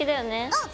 うん。